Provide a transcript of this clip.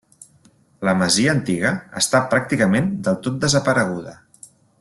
La masia antiga està pràcticament del tot desapareguda.